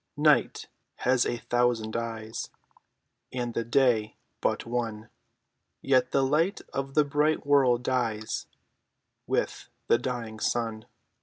Night has a thousand eyes, And the day but one; Yet the light of the bright world dies With the dying sun.